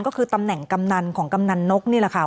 ก็คือตำแหน่งกำนันของกำนันนกนี่แหละค่ะ